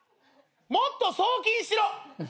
「もっと送金しろ」